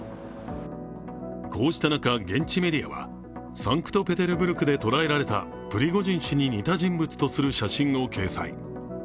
こうした中、現地メディアはサンクトペテルブルクで捉えられたプリゴジン氏に似た人物とする写真を掲載。